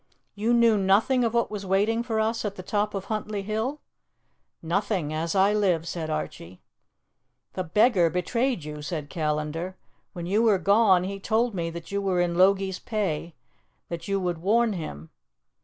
"You knew nothing of what was waiting for us at the top of Huntly Hill?" "Nothing, as I live," said Archie. "The beggar betrayed you," said Callandar. "When you were gone he told me that you were in Logie's pay that you would warn him.